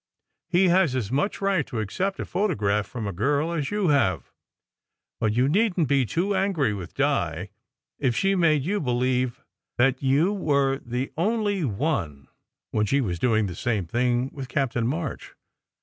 He has as much right to accept a photograph from a girl as you have. But you needn t be too angry with Di, if she made you believe that you were the only one, when she was doing the same thing with Captain March.